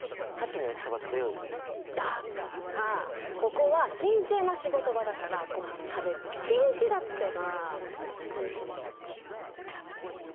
ここは神聖な仕事場だからごはん食べるの禁止だってば！